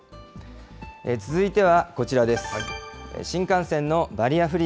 続いてはこちらです。